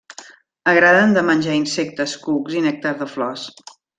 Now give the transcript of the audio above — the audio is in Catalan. Agraden de menjar insectes, cucs, i nèctar de flors.